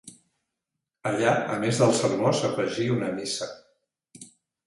Allà, a més del sermó s'afegí una missa.